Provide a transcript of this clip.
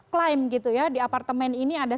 klaim gitu ya di apartemen ini ada